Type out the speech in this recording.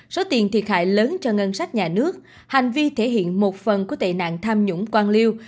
số tiền thiệt hại lớn cho ngân sách nhà nước hành vi thể hiện một phần của tệ nạn tham nhũng quan liêu